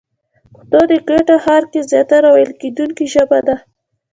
پښتو په کوټه ښار کښي زیاته ويل کېدونکې ژبه ده.